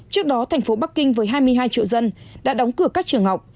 trước đó thành phố bắc kinh với hai mươi hai triệu dân đã đóng cửa các trường học